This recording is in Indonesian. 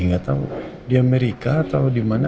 gak tau di amerika atau dimana